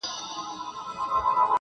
ښکلې ته ښکلی دي خیال دی-